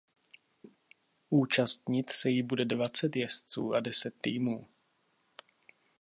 Účastnit se jí bude dvacet jezdců a deset týmů.